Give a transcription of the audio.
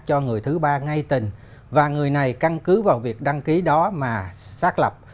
cho người thứ ba ngay tình và người này căn cứ vào việc đăng ký đó mà xác lập